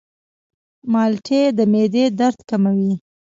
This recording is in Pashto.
مالټې د معدې درد کموي.